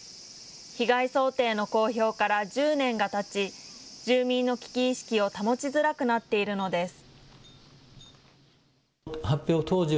被害想定の公表から１０年がたち、住民の危機意識を保ちづらくなっているのです。